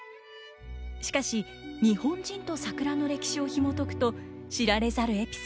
しかし日本人と桜の歴史をひもとくと知られざるエピソードが満載。